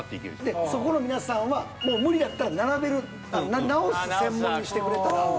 でそこの皆さんはもう無理やったら並べる直す専門にしてくれたら。